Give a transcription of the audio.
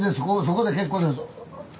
そこで結構です。